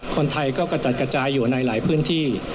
คนไทยก็กระจัดกระจายอยู่ในหลายพื้นที่